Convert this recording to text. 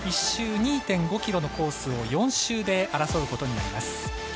１週２．５ｋｍのコースを４周で争うことになります。